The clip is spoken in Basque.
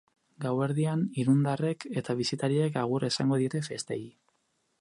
Gauerdian, irundarrek eta bisitariek agur esango diete festei.